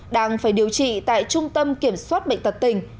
đang phải điều trị tại trung tâm kiểm soát bệnh tật tỉnh